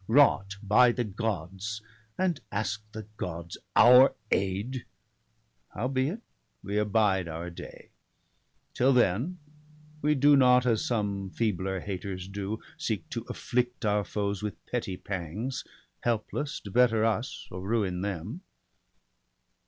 Wrought by the Gods — and ask the Gods our aid ? Howbeit, we abide our day; till then, We do not as some feebler haters do — Seek to afflict our foes with petty pangs. BALDER DEAD. i6r Helpless to better us, or ruin them.